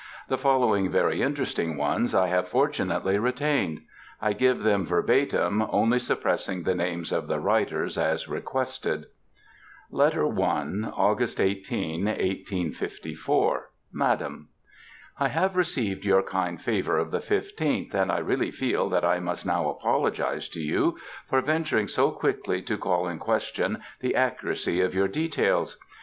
The following very interesting ones I have fortunately retained. I give them verbatim, only suppressing the names of the writers, as requested. LETTER I. Aug. 18, 1854. MADAM, I have received your kind favor of the 15th, and I really feel that I must now apologize to you, for venturing so quickly to call in question the accuracy of your details.